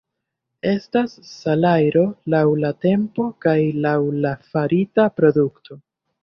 Estas salajro laŭ la tempo kaj laŭ la farita produkto.